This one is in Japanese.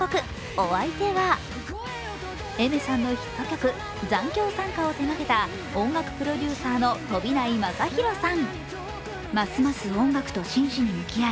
お相手は、Ａｉｍｅｒさんのヒット曲「残響散歌」を手がけた音楽プロデューサーの飛内将大さん。